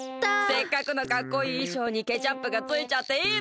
せっかくのかっこいいいしょうにケチャップがついちゃっていいの？